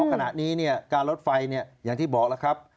เพราะขณะนี้การลดไฟเนี่ยอย่างที่บอกนะครับ